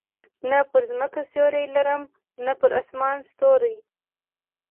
نه پر مځکه سیوری لرم، نه پر اسمان ستوری.